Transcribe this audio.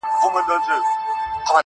دعا ، دعا ، دعا ،دعا كومه.